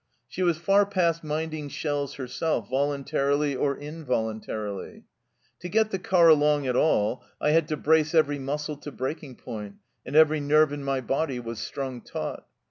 She was far past minding shells herself, voluntarily or involuntarily. "To get the car along at all, I had to brace every muscle to breaking point, and every nerve in my body was strung taut.